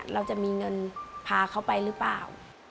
เราจะมีเงินพาเขาไปหรือเปล่า